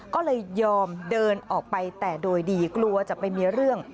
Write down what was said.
ก็เลยยอมเดินออกไปแต่โดยดีกลัวจะไปมีเรื่อง